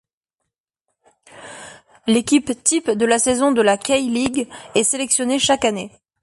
L'équipe type de la saison de la K League est sélectionnée chaque année.